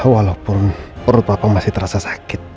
walaupun perut bapak masih terasa sakit